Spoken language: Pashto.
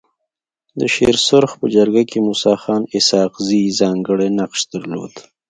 د شيرسرخ په جرګه کي موسي خان اسحق زي ځانګړی نقش درلود.